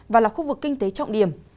và là khu vực kinh tế trọng điểm